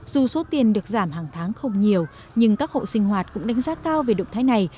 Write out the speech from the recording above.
dù số tiền được giảm hàng tháng không nhiều nhưng các hộ sinh hoạt cũng đánh giá cao về động thái này